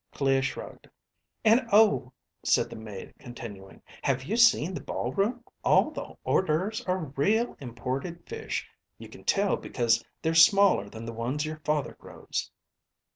Clea shrugged. "And, oh," said the maid, continuing, "have you seen the ballroom? All the hors d'oeuvres are real, imported fish. You can tell, because they're smaller than the ones your father grows."